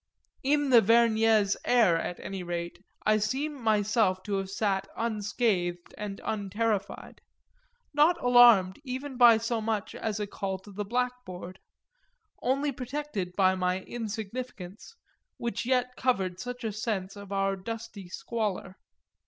In the Vergnès air at any rate I seem myself to have sat unscathed and unterrified not alarmed even by so much as a call to the blackboard; only protected by my insignificance, which yet covered such a sense of our dusky squalor.